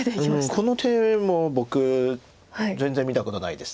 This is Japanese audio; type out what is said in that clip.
この手も僕全然見たことないです。